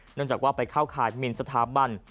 เนื่องจากว่าไปเข้าข่ายมินสถาบัน